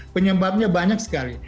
penyebabnya banyak sekali